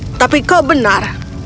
nyol tapi kau benar